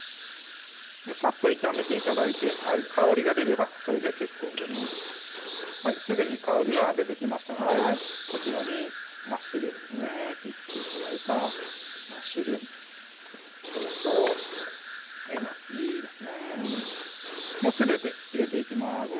さっと炒めて頂いて香りが出ればそれで結構ですすぐに香りは出てきましたのでこちらにマッシュルームですね切って頂いたマッシュルームそれとえのきですねすべて入れていきます